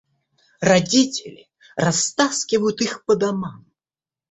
Родители растаскивают их по домам.